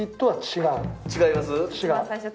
違う。